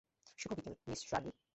শুভ বিকেল, Miss Shirley.